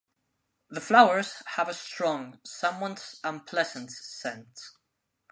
The flowers have a strong, somewhat unpleasant scent.